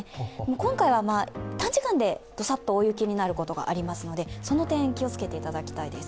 今回は短時間でどさっと大雪になることがありますので、その点、気をつけていただきたいです。